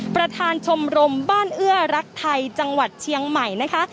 ประธานชมรมบ้านเอื้อรักไทยจังหวัดเชียงใหม่นะคะ